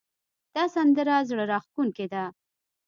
دا سندره زړه راښکونکې ده